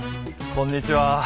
こんにちは。